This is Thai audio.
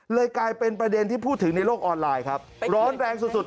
กลายเป็นประเด็นที่พูดถึงในโลกออนไลน์ครับร้อนแรงสุดสุด